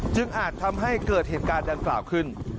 อาจทำให้เกิดเหตุการณ์ดังกล่าวขึ้น